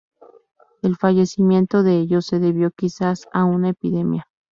El fallecimiento de ellos se debió quizás a una epidemia.